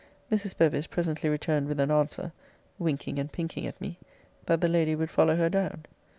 Mrs. Bevis presently returned with an answer (winking and pinking at me) that the lady would follow her down.